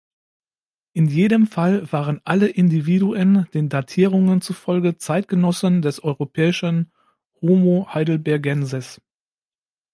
In jedem Fall waren alle Individuen den Datierungen zufolge Zeitgenossen des europäischen "Homo heidelbergensis".